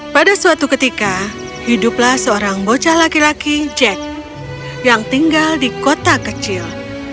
pada suatu ketika hiduplah seorang bocah laki laki jack yang tinggal di kota kecil